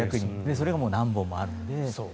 それが何本もあるので。